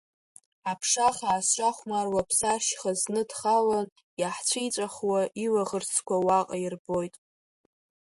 Аԥша хаа зҿахәмаруа Ԥсаршьха зны дхалан, иаҳцәиҵәахуа илаӷырӡқәа уаҟа ирбоит.